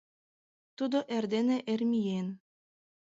Тудо эрдене эр миен.